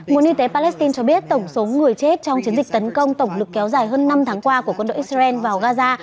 nguồn y tế palestine cho biết tổng số người chết trong chiến dịch tấn công tổng lực kéo dài hơn năm tháng qua của quân đội israel vào gaza